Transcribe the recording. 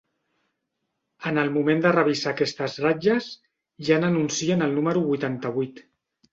En el moment de revisar aquestes ratlles, ja n'anuncien el número vuitanta-vuit.